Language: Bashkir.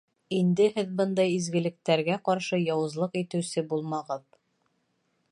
Инде һеҙ бындай изгелектәргә ҡаршы яуызлыҡ итеүсе булмағыҙ.